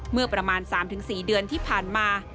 เมื่อประมาณ๓๔เดือนที่ผ่านมา